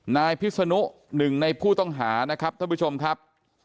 นายพิศนุหนึ่งในผู้ต้องหานะครับท่านผู้ชมครับ